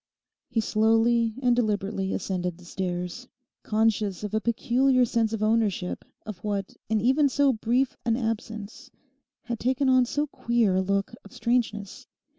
He slowly and deliberately ascended the stairs, conscious of a peculiar sense of ownership of what in even so brief an absence had taken on so queer a look of strangeness.